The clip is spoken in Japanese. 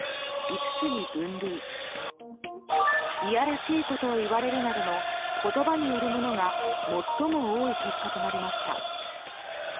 いやらしいことを言われるなどの言葉によるものが最も多い結果となりました。